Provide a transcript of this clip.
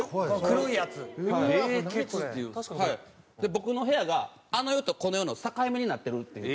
僕の部屋があの世とこの世の境目になってるっていう。